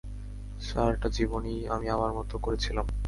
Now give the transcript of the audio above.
সারাটা জীবনই আমি আমার মত করে ছিলাম!